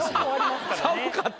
「寒かった」？